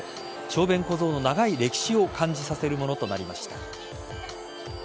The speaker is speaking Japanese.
小便小僧の長い歴史を感じさせるものとなりました。